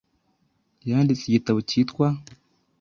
yanditse igitabo cyitwa